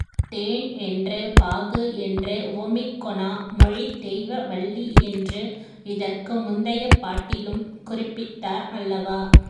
தேன் என்று பாகு என்று உவமிக்கொணா மொழித் தெய்வ வள்ளி என்று இதற்கு முந்திய பாட்டிலும் குறிப்பித்தார் அல்லவா?